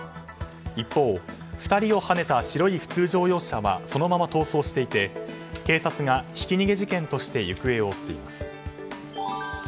一方、２人をはねた白い普通乗用車はそのまま逃走していて警察がひき逃げ事件として行方を追っています。